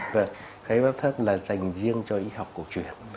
khái niệm huyết áp thấp là dành riêng cho y học cổ truyền